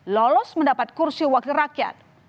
lolos mendapat kursi wakil rakyat